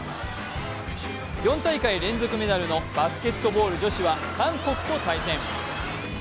４大会連続メダルのバスケットボール女子は韓国と対戦。